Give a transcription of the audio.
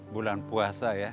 bulan puasa ya